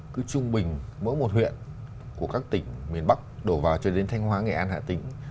cứ trung bình mỗi một huyện của các tỉnh miền bắc đổ vào cho đến thanh hóa nghệ an hà tĩnh